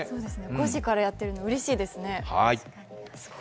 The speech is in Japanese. ５時からやってるのは、うれしいですね